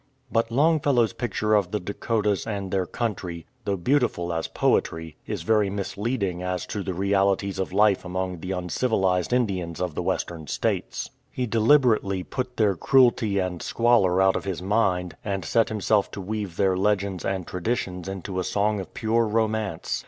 But Longfellow's picture of the Dakotas and their country, though beautiful as poetry, is very misleading as to the realities of life among the uncivilized Indians of the Western States. He deliberately put their cruelty and squalor out of his mind, and set himself to weave their legends and traditions into a song of pure romance.